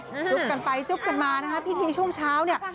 จุ๊บกันไปจุ๊บกันมานะคะพิธีช่วงเช้าเนี่ย